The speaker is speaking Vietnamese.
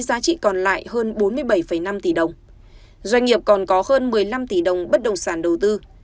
giá trị còn lại hơn bốn mươi bảy năm tỷ đồng doanh nghiệp còn có hơn một mươi năm tỷ đồng bất đồng sản đầu tư